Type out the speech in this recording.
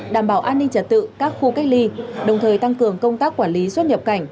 đảm bảo an ninh trật tự các khu cách ly đồng thời tăng cường công tác quản lý xuất nhập cảnh